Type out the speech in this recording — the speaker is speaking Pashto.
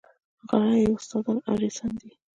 غړي یې استادان او رییسان دي.